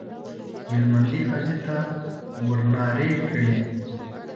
هلمندي حاجي ته ورنارې کړې.